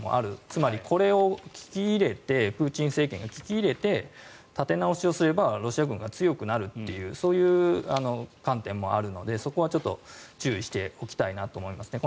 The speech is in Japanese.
つまりこれをプーチン政権が聞き入れて立て直しをすればロシア軍が強くなるというそういう観点もあるのでそこはちょっと注意しておきたいなと思いますね。